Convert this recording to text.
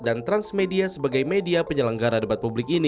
dan transmedia sebagai media penyelenggara debat